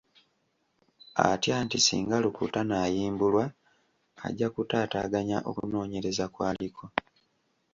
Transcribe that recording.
Atya nti singa Rukutana ayimbulwa ajja kutaataaganya okunoonyereza kw'aliko.